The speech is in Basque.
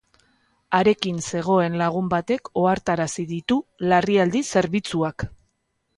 Harekin zegoen lagun batek ohartarazi ditu larrialdi zerbitzuak.